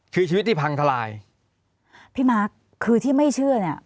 คือชีวิตที่พังทลายพี่มาร์คคือที่ไม่เชื่อเนี่ย